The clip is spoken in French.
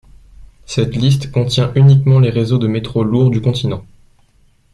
Cette liste contient uniquement les réseaux de métro lourd du continent.